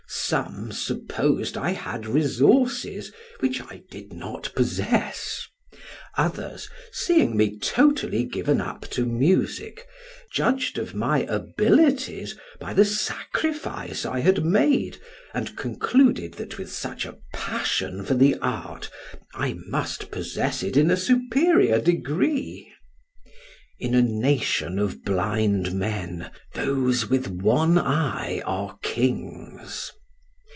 Some supposed I had resources which I did not possess; others, seeing me totally given up to music, judged of my abilities by the sacrifice I had made, and concluded that with such a passion for the art, I must possess it in a superior degree. In a nation of blind men, those with one eye are kings.